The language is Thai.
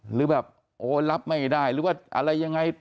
หรือแบบโอ๊ยรับไม่ได้หรือว่าอะไรยังไง